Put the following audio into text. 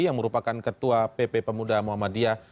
yang merupakan ketua pp pemuda muhammadiyah